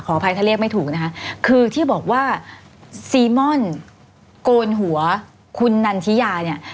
อภัยถ้าเรียกไม่ถูกนะคะคือที่บอกว่าซีม่อนโกนหัวคุณนันทิยาเนี่ย